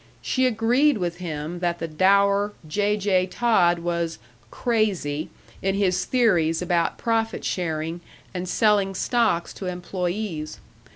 She agreed with him that the dour J. J. Todd was "crazy" in his theories about profit sharing and selling stocks to employees.